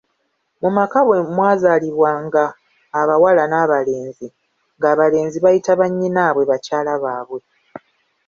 "Mu maka bwe mwazaalibwanga abawala n’abalenzi, nga abalenzi bayita bannyinaabwe bakyala baabwe."